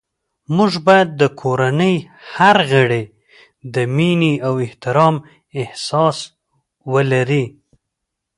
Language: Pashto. موږ باید د کورنۍ هر غړی د مینې او احترام احساس ولري